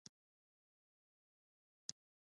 د زردالو شربت غلیظ وي.